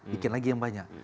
bikin lagi yang banyak